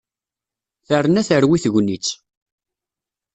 Terna terwi tegnit.